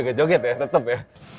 sampai joget joget ya tetep ya